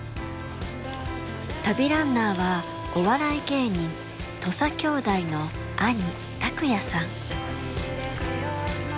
旅ランナーはお笑い芸人土佐兄弟の兄卓也さん。